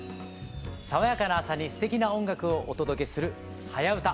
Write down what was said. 爽やかな朝にすてきな音楽をお届けする「はやウタ」。